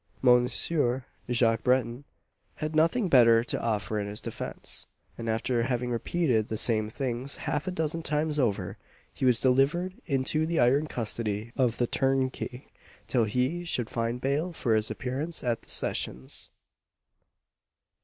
Monsieur Jacques Breton had nothing better to offer in his defence, and after having repeated the same things half a dozen times over, he was delivered into the iron custody of the turnkey till he should find bail for his appearance at the Sessions.